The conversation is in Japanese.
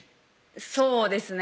そうですね